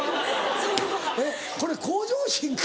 えっこれ向上心か？